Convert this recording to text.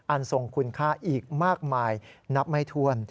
ทรงคุณค่าอีกมากมายนับไม่ถ้วน